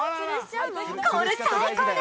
これ最高ね！